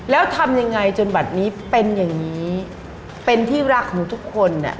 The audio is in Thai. แล้วทำยังไงจนบัตรนี้เป็นอย่างนี้เป็นที่รักของทุกคนอ่ะ